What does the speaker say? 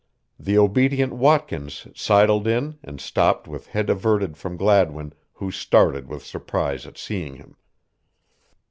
The obedient Watkins sidled in and stopped with head averted from Gladwin, who started with surprise at seeing him.